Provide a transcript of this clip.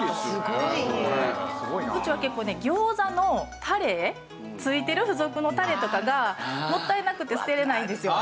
うちは結構ね餃子のタレ付いてる付属のタレとかがもったいなくて捨てられないんですよ。